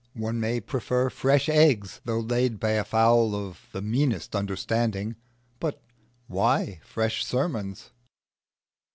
One may prefer fresh eggs though laid by a fowl of the meanest understanding, but why fresh sermons?